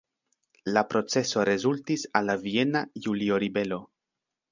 La proceso rezultis al la Viena Julio-ribelo.